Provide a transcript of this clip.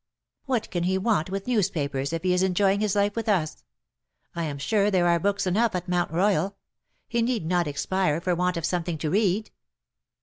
^"*" "What can he want with newspapers, if he is enjoying his life with us ? I am sure there are books enough at Mount Royal. He need not expire for want of something to read.